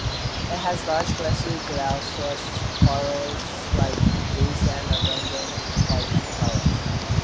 It has large fleshy glaucous collard-like leaves and abundant white flowers.